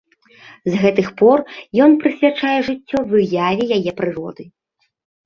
З гэтых пор ён прысвячае жыццё выяве яе прыроды.